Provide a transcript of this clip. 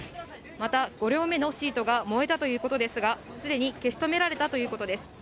また、５両目のシートが燃えたということですが、すでに消し止められたということです。